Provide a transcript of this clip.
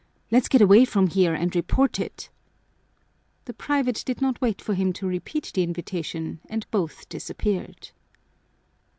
Let's get away from here and report it." The private did not wait for him to repeat the invitation, and both disappeared.